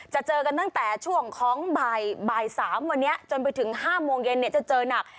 เจอกันตั้งแต่ช่วงของบ่าย๓วันนี้จนไปถึง๕โมงเย็นจะเจอหนัก